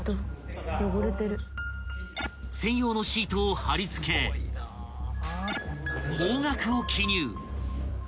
［専用のシートを貼り付け方角を記入］